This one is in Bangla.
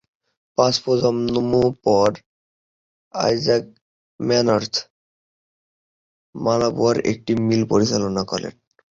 পাঁচ প্রজন্ম পর আইজাক মেনার্ড মার্লবোরায় একটি মিল পরিচালনা করেন।